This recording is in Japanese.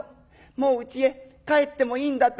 もううちへ帰ってもいいんだって」。